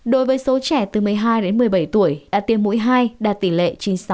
đối với số trẻ từ một mươi hai đến một mươi bảy tuổi đã tiêm mũi hai đạt tỷ lệ chín mươi sáu